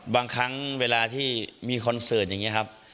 บางครั้งเวลาที่มีคอนเสิร์ตอย่างนี้ครับ